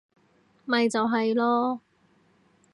咪就係囉